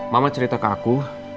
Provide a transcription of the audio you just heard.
mama cerita ke aku